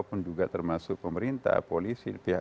siapapun juga termasuk pemerintah polisi pihak pihak